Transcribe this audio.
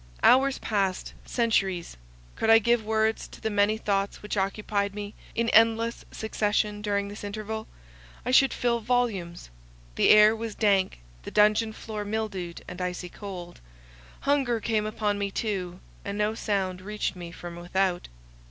Hours passed—centuries. Could I give words to the many thoughts which occupied me in endless succession during this interval, I should fill volumes. The air was dank, the dungeon floor mildewed and icy cold; hunger came upon me too, and no sound reached me from without.